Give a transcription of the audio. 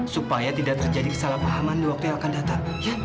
supaya tidak terjadi kesalahpahaman di waktu yang akan datang